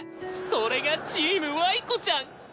それがチーム Ｙ 子ちゃん！